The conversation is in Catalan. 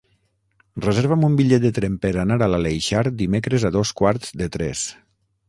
Reserva'm un bitllet de tren per anar a l'Aleixar dimecres a dos quarts de tres.